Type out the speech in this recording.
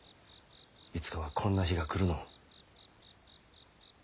いつかはこんな日が来るのを。